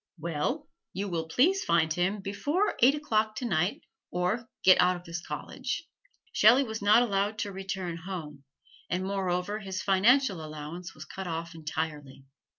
"Well, you will please find Him before eight o'clock tonight or get out of this college." Shelley was not allowed to return home, and moreover his financial allowance was cut off entirely.